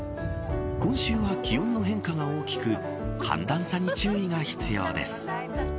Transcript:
今週の気温の変化が大きく寒暖差に注意が必要です。